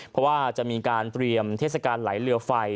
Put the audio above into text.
เพราะว่าจะมีการเตรียมเทศกาลไหลเรือไฟ